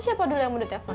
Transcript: siapa dulu yang mude telfon